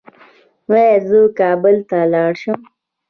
ایا زه کابل ته لاړ شم؟